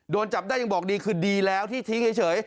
โดนจับได้ยังบอกดีคือดีแล้วที่ทิ้งเฉย